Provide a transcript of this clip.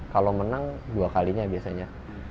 kalau menang dua kalinya biasanya